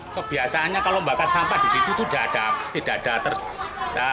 kebiasaannya kalau pembakaran sampah di situ tidak ada masalah